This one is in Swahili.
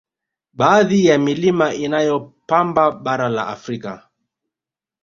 Baadhi ya Milima inayopamba bara la Afrika